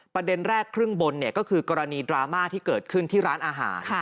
ประเด็นแรกครึ่งบนก็คือกรณีดราม่าที่เกิดขึ้นที่ร้านอาหาร